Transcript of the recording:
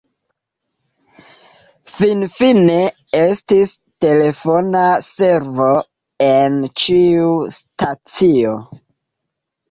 Finfine, estis telefona servo en ĉiu stacio.